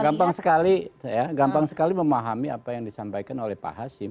gampang sekali gampang sekali memahami apa yang disampaikan oleh pak hasim